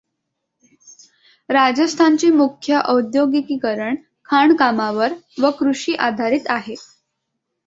राजस्थानची मुख्य औद्योगिकीकरण खाणकामावर व कृषीआधारित आहे.